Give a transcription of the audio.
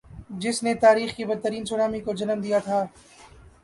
جس نی تاریخ کی بدترین سونامی کو جنم دیا تھا۔